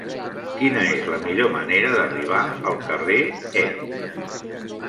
Quina és la millor manera d'arribar al carrer E?